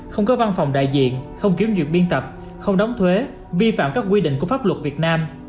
không có văn phòng đại diện không kiểm duyệt biên tập không đóng thuế vi phạm các quy định của pháp luật việt nam